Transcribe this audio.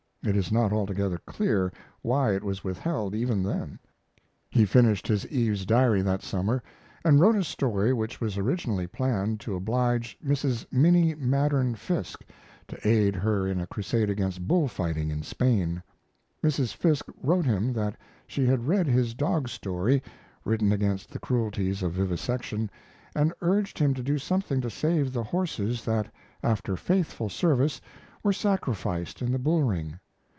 It is not altogether clear why it was withheld, even then. He finished his Eve's Diary that summer, and wrote a story which was originally planned to oblige Mrs. Minnie Maddern Fiske, to aid her in a crusade against bullfighting in Spain. Mrs. Fiske wrote him that she had read his dog story, written against the cruelties of vivisection, and urged him to do something to save the horses that, after faithful service, were sacrificed in the bull ring.